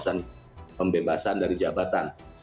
sampai ke pembebasan dari jabatan